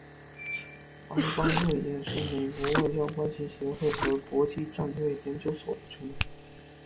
白邦瑞也是美国外交关系协会和国际战略研究所的成员。